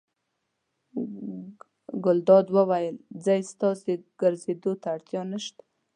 ګلداد وویل: ځئ ستاسې ګرځېدو ته اړتیا نه شته.